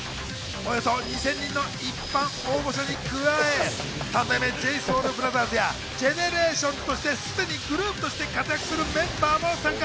およそ２０００人の一般応募者に加え、三代目ＪＳＯＵＬＢＲＯＴＨＥＲＳやＧＥＮＥＲＡＴＩＯＮＳとしてすでにグループとして活躍するメンバーも参加。